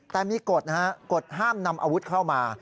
แต่มีกฎนะฮะกฎห้ามนำอาวุธเข้ามา